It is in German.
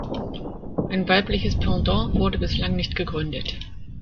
Ein weibliche Pendant wurde bislang nicht gegründet.